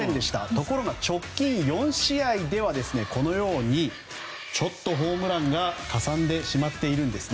ところが直近４試合ではこのようにちょっとホームランがかさんでしまっているんです。